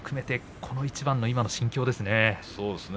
この一番、今の心境ですね。